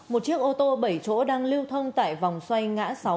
một chiếc ô tô bảy chỗ đang lưu thông tại vòng xoay ngã sáu